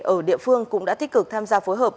ở địa phương cũng đã tích cực tham gia phối hợp